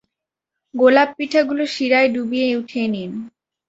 গোলাপ পিঠাগুলো সিরায় ডুবিয়ে উঠিয়ে নিন।